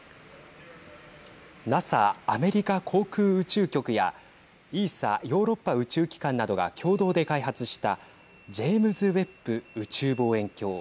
ＮＡＳＡ＝アメリカ航空宇宙局やＥＳＡ＝ヨーロッパ宇宙機関などが共同で開発したジェームズ・ウェッブ宇宙望遠鏡。